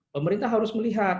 pemerintah harus melihat